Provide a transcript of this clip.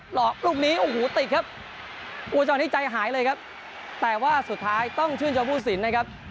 หลอกลูกนี้โอ้โหติดครับโอ้เจ้านี้ใจหายเลยครับแต่ว่าสุดท้ายต้องชื่นชมผู้สินนะครับ